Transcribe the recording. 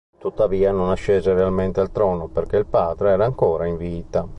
Tuttavia, non ascese realmente al trono perché il padre era ancora in vita.